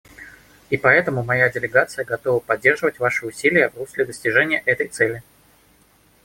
И поэтому моя делегация готова поддерживать ваши усилия в русле достижения этой цели.